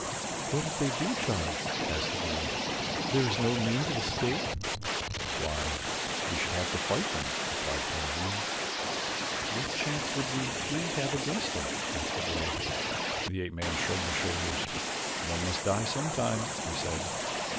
"What if they do charge?" asked the girl; "there is no means of escape." "Why, we should have to fight them," replied Tarzan. "What chance would we three have against them?" asked the girl. The ape man shrugged his shoulders. "One must die sometime," he said.